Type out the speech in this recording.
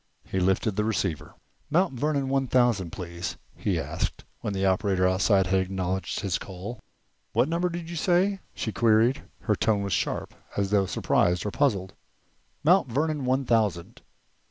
He lifted the receiver. "Mount Vernon one thousand, please," he asked, when the operator outside had acknowledged his call. "What number did you say?" she queried. Her tone was sharp, as though surprised or puzzled. "Mount Vernon one thousand."